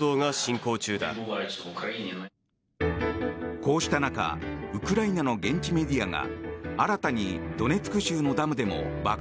こうした中ウクライナの現地メディアが